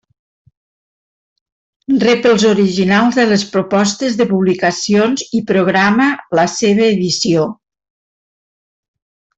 Rep els originals de les propostes de publicacions i programa la seva edició.